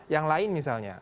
yang lain misalnya